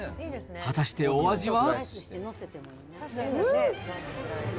果たしてお味は。